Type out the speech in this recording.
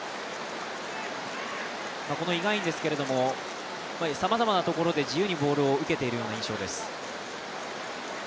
このイ・ガンインですけれども、さまざまなところで自由にボールを受けているような状況です。